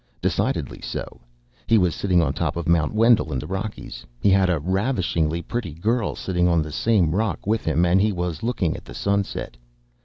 Decidedly so. He was sitting on top of Mount Wendel, in the Rockies; he had a ravishingly pretty girl sitting on the same rock with him, and he was looking at the sunset.